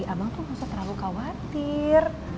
abang tuh gak usah terlalu khawatir